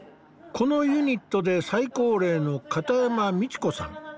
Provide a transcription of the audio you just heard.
このユニットで最高齢の片山道子さん。